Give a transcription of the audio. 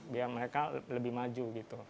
biar mereka lebih maju